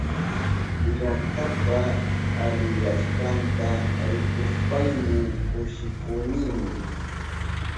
Llaktapa aliyashkanta rikushpayni kushikunimi.